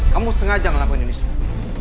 kamu sengaja ngelakuin ini semua